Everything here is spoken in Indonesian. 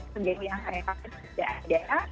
sejauh yang saya kata sudah ada